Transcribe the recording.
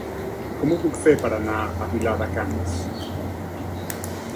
Com ho puc fer per anar a Vilar de Canes?